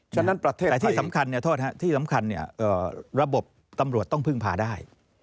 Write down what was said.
แต่ที่สำคัญเนี่ยที่สำคัญเนี่ยระบบตำรวจต้องพึ่งพาได้